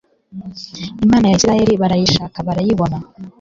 Imana ya Isirayeli barayishaka barayibona